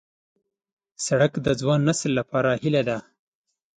سړک د ځوان نسل لپاره هیله ده.